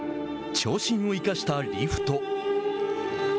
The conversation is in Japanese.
長身を生かしたリフト。